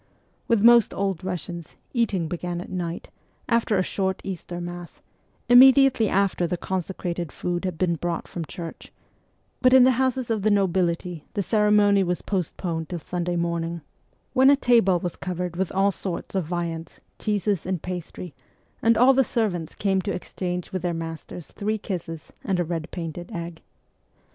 With most old Eussians, eating began at night, after a short Easter mass, immediately after the consecrated food had been brought from church ; but in the houses of the nobility the ceremony was postponed till Sunday 40 MEMOIRS OF A REVOLUTIONIST morning, when a table was covered with all sorts of viands, cheeses, and pastry, and all the servants came to exchange with their masters three kisses and a red painted egg.